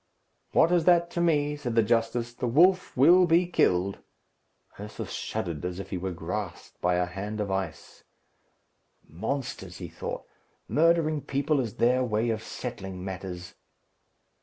"What is that to me?" said the justice. "The wolf will be killed." Ursus shuddered, as if he were grasped by a hand of ice. "Monsters!" he thought. "Murdering people is their way of settling matters."